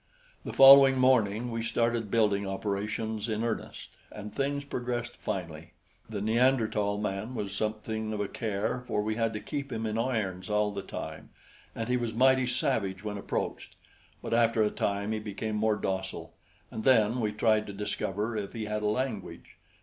The following morning we started building operations in earnest, and things progressed finely. The Neanderthal man was something of a care, for we had to keep him in irons all the time, and he was mighty savage when approached; but after a time he became more docile, and then we tried to discover if he had a language.